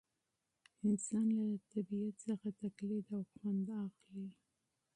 انسان له طبیعت څخه تقلید او خوند اخلي.